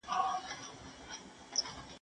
ژوند مې تېر شۀ په دې طمع چې به راشې